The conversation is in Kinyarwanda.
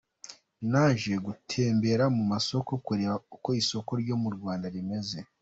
Naje gutembera mu masoko, kureba uko isoko ryo mu Rwanda rimeze.